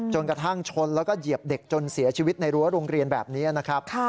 จนกระทั่งชนแล้วก็เหยียบเด็กจนเสียชีวิตในรั้วโรงเรียนแบบนี้นะครับ